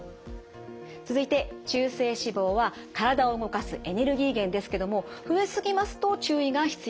続いて中性脂肪は体を動かすエネルギー源ですけども増え過ぎますと注意が必要です。